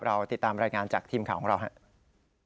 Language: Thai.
เราติดตามรายงานจากทีมข่าวของเราครับ